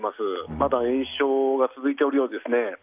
まだ延焼が続いているようですね。